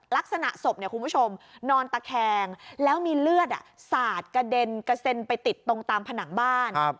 ลักษณะศพเนี่ยคุณผู้ชมนอนตะแคงแล้วมีเลือดสาดกระเด็นกระเซ็นไปติดตรงตามผนังบ้าน